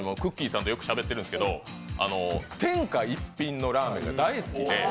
さんとしゃべってるんですけど、天下一品のラーメンが大好きで。